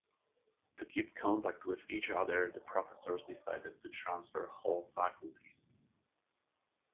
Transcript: To keep contact with each other, the professors decided to transfer whole faculties.